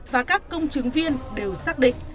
và các công chứng viên đều xác định